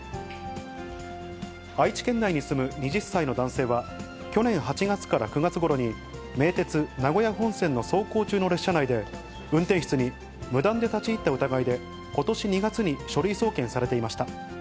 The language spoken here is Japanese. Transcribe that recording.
愛知県内に住む２０歳の男性は、去年８月から９月ごろに、名鉄名古屋本線の走行中の列車内で、運転室に無断で立ち入った疑いで、ことし２月に書類送検されていました。